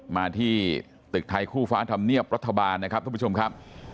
มาที่ตึกไทยคู่ฟ้าธรรมเนียบรัฐบาลนะครับทุกผู้ชมครับ